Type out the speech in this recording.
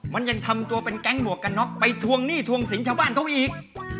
มันยังทำตัวเป็นแก๊งหมวกกันน็อกไปทวงหนี้ทวงสินชาวบ้านเขาอีก